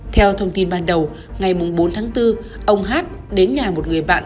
theo thông tin ban đầu ngày bốn tháng bốn ông hát đến nhà một người bạn